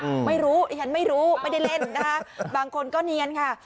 ไม่รู้ดิฉันไม่รู้ไม่ได้เล่นนะคะบางคนก็เนียนค่ะ